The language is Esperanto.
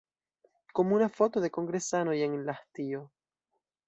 Komuna foto de kongresanoj en Lahtio.